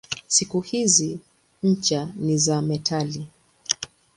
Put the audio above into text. Siku hizi ncha ni za metali.